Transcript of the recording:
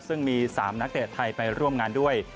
ซึ่งมี๓นักเตะไทยไปร่วมงานด้วย